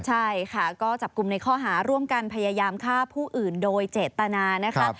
ใช่ค่ะก็จับกลุ่มในข้อหาร่วมกันพยายามฆ่าผู้อื่นโดยเจตนานะคะ